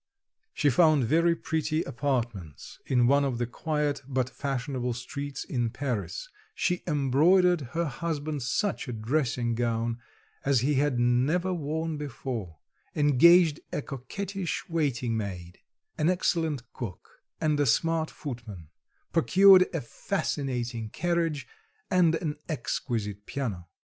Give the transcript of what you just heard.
She found very pretty apartments in one of the quiet but fashionable streets in Paris; she embroidered her husband such a dressing gown as he had never worn before; engaged a coquettish waiting maid, an excellent cook, and a smart footman, procured a fascinating carriage, and an exquisite piano.